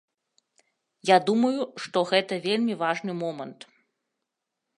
Я думаю, што гэта вельмі важны момант.